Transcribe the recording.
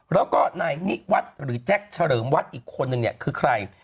แล้วก็นายนิวัฒน์หรือแจ็คเฉลิมวัดอีกคนนึงเนี่ยคือใคร